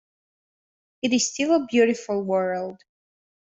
It is still a beautiful world.